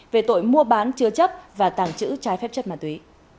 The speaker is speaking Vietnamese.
về tội mua bán chứa chấp và tàng trữ trái phép chất ma túy